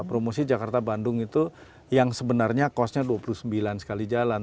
promosi jakarta bandung itu yang sebenarnya costnya dua puluh sembilan sekali jalan